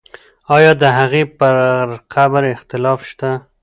آیا د هغې پر قبر اختلاف شته؟